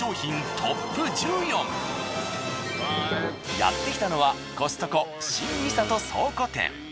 やってきたのはコストコ新三郷倉庫店。